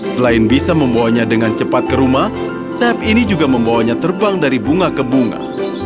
selain bisa membawanya dengan cepat ke rumah sayap ini juga membawanya terbang dari bunga ke bunga